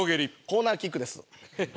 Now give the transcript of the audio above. コーナーキックです。